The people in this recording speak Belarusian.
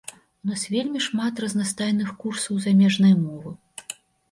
У нас вельмі шмат разнастайных курсаў замежнай мовы.